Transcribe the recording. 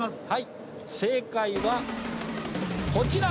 正解はこちら！